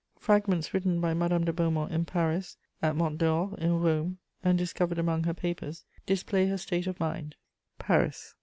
Fragments written by Madame de Beaumont in Paris, at Mont Dore, in Rome, and discovered among her papers, display her state of mind: "PARIS.